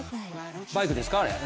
バイクですか、あれは。